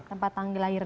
tempat dan tanggal lahir